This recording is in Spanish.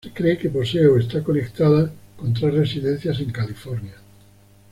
Se cree que posee o está conectada con tres residencias en California.